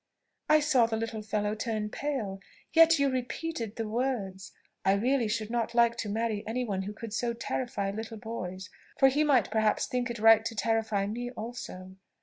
I saw the little fellow turn pale, yet you repeated the words. I really should not like to marry any one who could so terrify little boys, for he might perhaps think it right to terrify me also."